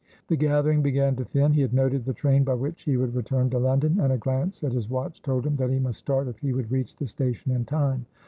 The gathering began to thin. He had noted the train by which he would return to London, and a glance at his watch told him that he must start if he would reach the station in time.